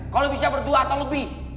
kalau bisa berdua atau lebih